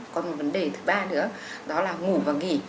còn một vấn đề thứ ba nữa đó là ngủ và nghỉ